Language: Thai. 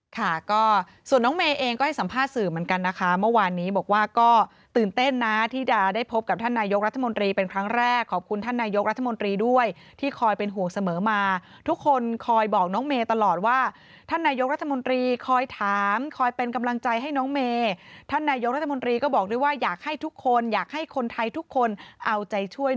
ค่ะก็ส่วนน้องเมย์เองก็ให้สัมภาษณ์สื่อเหมือนกันนะคะเมื่อวานนี้บอกว่าก็ตื่นเต้นนะที่จะได้พบกับท่านนายกรัฐมนตรีเป็นครั้งแรกขอบคุณท่านนายกรัฐมนตรีด้วยที่คอยเป็นห่วงเสมอมาทุกคนคอยบอกน้องเมย์ตลอดว่าท่านนายกรัฐมนตรีคอยถามคอยเป็นกำลังใจให้น้องเมย์ท่านนายกรัฐมนตรีก็บอกด้วยว่าอยากให้ทุกคนอยากให้คนไทยทุกคนเอาใจช่วย